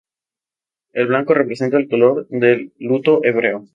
El blanco representa el color del luto hebreo.